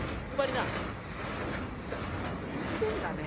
「なにくだらないこと言ってんだね」。